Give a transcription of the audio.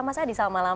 mas adi selamat malam